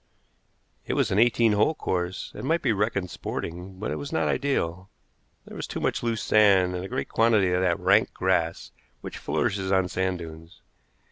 It was an eighteen hole course, and might be reckoned sporting, but it was not ideal. There was too much loose sand, and a great quantity of that rank grass which flourishes on sand dunes.